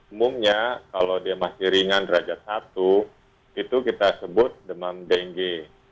umumnya kalau dia masih ringan derajat satu itu kita sebut demam dengue